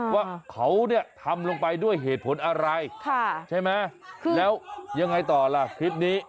ว่าเขาเนี่ยทำลงไปด้วยเหตุผลอะไรใช่ไหมแล้วยังไงต่อล่ะคลิปนี้